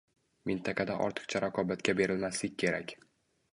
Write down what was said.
Mintaqada ortiqcha raqobatga berilmaslik kerak.